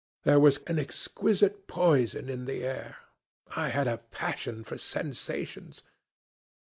There was an exquisite poison in the air. I had a passion for sensations....